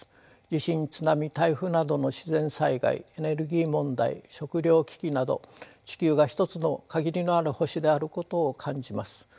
地震津波台風などの自然災害エネルギー問題食糧危機など地球が一つの限りのある星であることを感じます。